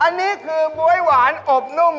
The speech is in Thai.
อันนี้คือบ๊วยหวานอบนุ่ม